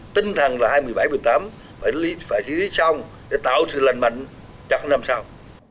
tinh thần là hai mươi bảy một mươi tám phải xử lý xong để tạo sự lành mạnh cho năm sau